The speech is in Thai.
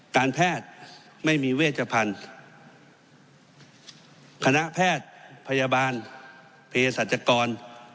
การแพทย์ไม่มีเวชพันธุ์คณะแพทย์พยาบาลเพศรัชกร